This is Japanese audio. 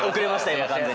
今完全に。